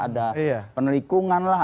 ada penelikungan lah